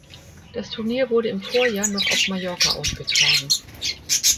Das Turnier wurde im Vorjahr noch auf Mallorca ausgetragen.